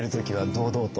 堂々と？